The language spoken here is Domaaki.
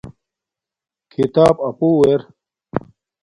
کھیتاپ اپو ار